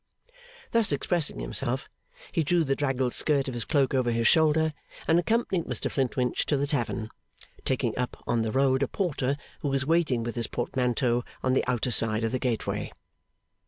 Thus expressing himself, he threw the draggled skirt of his cloak over his shoulder, and accompanied Mr Flintwinch to the tavern; taking up on the road a porter who was waiting with his portmanteau on the outer side of the gateway.